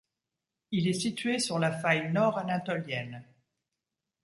Il est situé sur la faille nord-anatolienne.